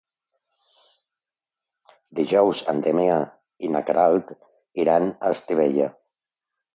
Dijous en Damià i na Queralt iran a Estivella.